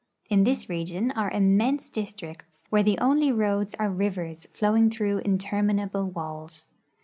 In this region are immense districts, where the onlv roads are rivers flowinsr througli interminable walls.